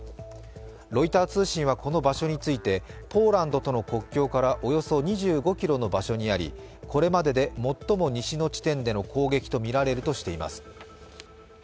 ロイター通信はこの場所について、ポーランドとの国境からおよそ２５ｋｍの場所にありこれまでで最も西の地点での攻撃とみられるとしています。